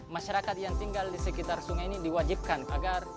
masyarakat yang tinggal di sekitar sungai ini diwajibkan agar